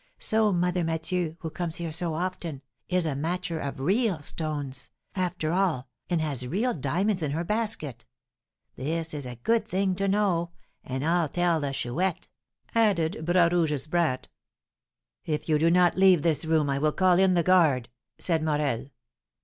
So Mother Mathieu, who comes here so often, is a matcher of real stones, after all, and has real diamonds in her basket; this is a good thing to know, and I'll tell the Chouette," added Bras Rouge's brat. "If you do not leave this room, I will call in the guard," said Morel.